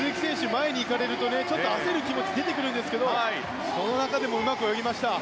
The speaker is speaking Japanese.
前に行かれるとちょっと焦る気持ちが出てくるんですけどその中でもうまく泳ぎました。